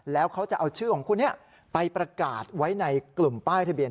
แล้วเขาจะเอาชื่อของคู่นี้ไปประกาศไว้ในกลุ่มป้ายทะเบียน